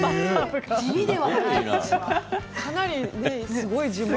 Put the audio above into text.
かなりすごい自慢。